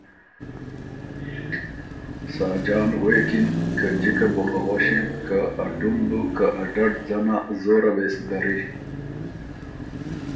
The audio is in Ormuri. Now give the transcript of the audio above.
ساجان غوېکِن که جِکه بو خه غؤݭِن که ا ډُم بُو که ډډ ځنا زوره وې سو دَرِی۔